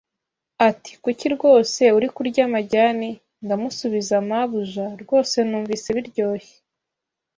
Ati:" Kuki rwose uri kurya amajyane? ndamusubiza Mabuja rwose numvise biryoshye!